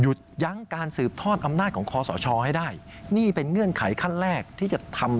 ยั้งการสืบทอดอำนาจของคอสชให้ได้นี่เป็นเงื่อนไขขั้นแรกที่จะทำ